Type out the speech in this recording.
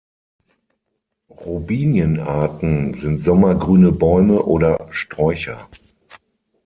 Robinien-Arten sind sommergrüne Bäume oder Sträucher.